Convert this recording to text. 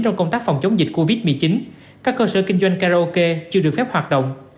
trong công tác phòng chống dịch covid một mươi chín các cơ sở kinh doanh karaoke chưa được phép hoạt động